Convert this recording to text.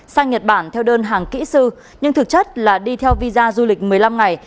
sang nhật bản theo đơn hàng kỹ sư nhưng thực chất là đi theo visa du lịch một mươi năm ngày